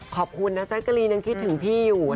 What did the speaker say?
ขอบคุณนะแจ๊กกะรีนยังคิดถึงพี่อยู่